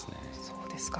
そうですか。